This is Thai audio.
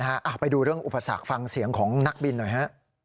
ไปดูเรื่องอุปสรรคฟังเสียงของนักบินหน่อยฮะ